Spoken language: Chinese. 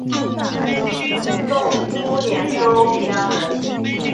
宋初蓟州渔阳人。